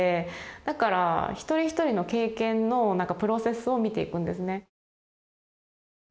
だから一人一人の経験のプロセスを見ていくんですね。